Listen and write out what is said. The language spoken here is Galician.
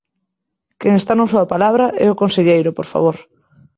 Quen está no uso da a palabra é o conselleiro, por favor.